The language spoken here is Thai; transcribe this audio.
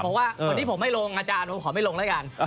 บอกว่าวันนี้ผมไม่ลงอาจารย์ผมขอไม่ลงแล้วกัน